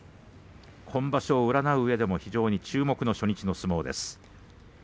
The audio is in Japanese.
今場所を占ううえでも注目の初日の相撲です。